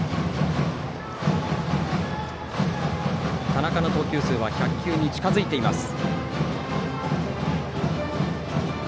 田中の投球数が１００球に近づいています。